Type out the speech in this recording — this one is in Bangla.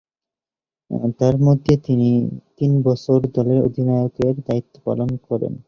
তন্মধ্যে, তিন বছর দলের অধিনায়কের দায়িত্ব পালন করেন।